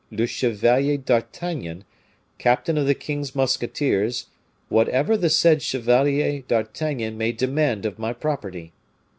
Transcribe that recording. le Chevalier d'Artagnan, captain of the king's musketeers, whatever the said Chevalier d'Artagnan may demand of my property.